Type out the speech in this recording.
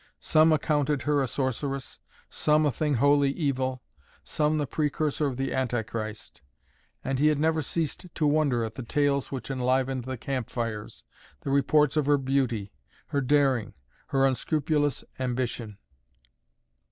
Some accounted her a sorceress, some a thing wholly evil, some the precursor of the Anti Christ. And he had never ceased to wonder at the tales which enlivened the camp fires, the reports of her beauty, her daring, her unscrupulous ambition.